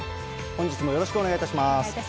本日もよろしくお願いいたします。